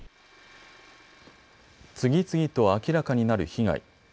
次々と明らかになる被害。